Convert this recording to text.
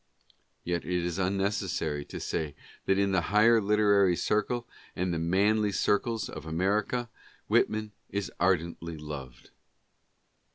Yet it is unnecessary to say that in the higher literary circle and the manly circles of America, Whitman is ardently loved.